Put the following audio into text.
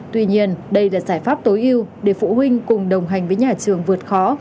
tuy nhiên đây là giải pháp tối ưu để phụ huynh cùng đồng hành với nhà trường vượt khó